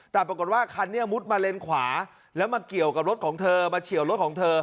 แต่ปรากฏว่าคันนี้มุดมาเลนขวาแล้วมาเกี่ยวกับรถของเธอมาเฉียวรถของเธอ